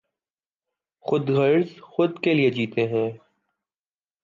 خود غرض خود لئے جیتے ہیں۔